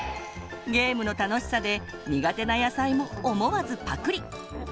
ゲームの楽しさで苦手な野菜も思わずパクリ！